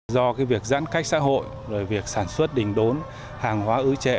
do việc giãn cách xã hội sản xuất đình đốn hàng hóa ứ trệ